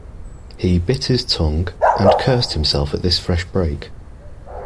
He bit his tongue, and cursed himself at this fresh break.